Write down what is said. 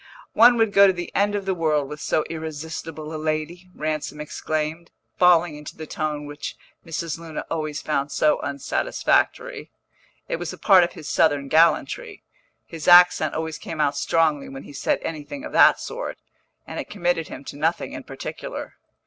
"One would go to the end of the world with so irresistible a lady!" Ransom exclaimed, falling into the tone which Mrs. Luna always found so unsatisfactory. It was a part of his Southern gallantry his accent always came out strongly when he said anything of that sort and it committed him to nothing in particular.